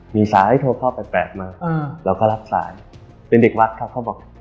มีสายโทรข้อ๘๘มาเราก็รับสายเป็นเด็กวัดครับเขาบอก